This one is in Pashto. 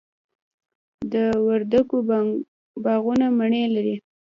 د وردګو باغونه مڼې لري.